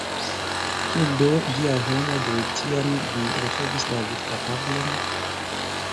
Kiel do, Dia homo, de tiam vi retrovis la vidkapablon?